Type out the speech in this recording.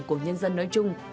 của nhân dân nói chung